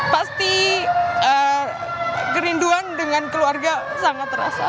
pasti kerinduan dengan keluarga sangat terasa